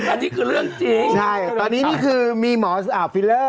อันนี้คือเรื่องจริงใช่ตอนนี้นี่คือมีหมอบฟิลเลอร์